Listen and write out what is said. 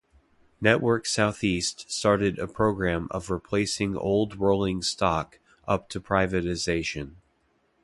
Network SouthEast started a programme of replacing old rolling stock up to privatisation.